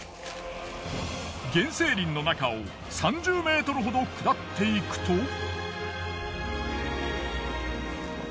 原生林の中を３０ｍほど下っていくと。